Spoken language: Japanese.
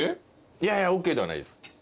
いやいやＯＫではないです。